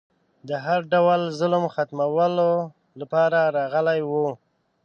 د هر ډول ظلم ختمولو لپاره راغلی و